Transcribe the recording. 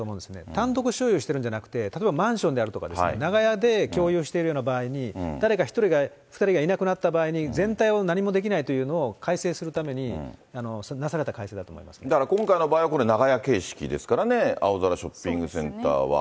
単独所有しているんじゃなくて、例えばマンションであるとか、長屋で共有しているような場合に誰か１人が、２人がいなくなった場合に、全体を何もできないというのを改正するために、なされた改正だとだから、今回の場合は、これ、長屋形式ですからね、青空ショッピングセンターは。